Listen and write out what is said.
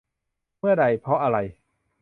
เมื่อใด เพราะอะไร ?